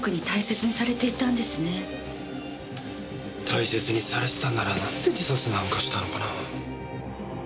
大切にされてたんならなんで自殺なんかしたのかなぁ？